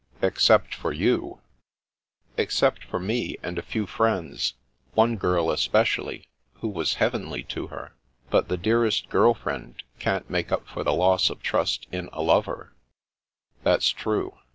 " Except for you." i6o The Princess Passes ti Except for me, and a few friends,— one girl especially, who was heavenly to her. But the dear est girl friend can't make up for the loss of trust in a lover/' "That's true.